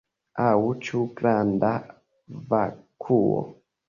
Aŭ ĉu granda vakuo?